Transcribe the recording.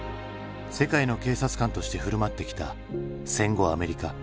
世界の警察官として振る舞ってきた戦後アメリカ。